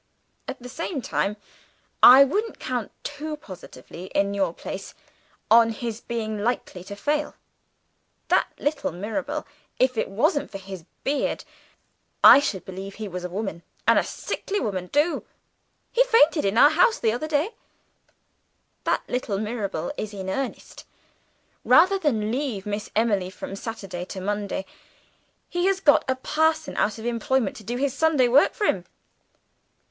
At the same time I wouldn't count too positively, in your place, on his being likely to fail. That little Mirabel if it wasn't for his beard, I should believe he was a woman, and a sickly woman too; he fainted in our house the other day that little Mirabel is in earnest. Rather than leave Miss Emily from Saturday to Monday, he has got a parson out of employment to do his Sunday work for him.